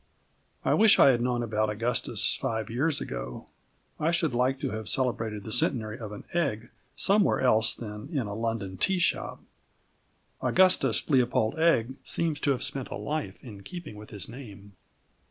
I wish I had known about Augustus five years ago. I should like to have celebrated the centenary of an egg somewhere else than in a London tea shop. Augustus Leopold Egg seems to have spent a life in keeping with his name.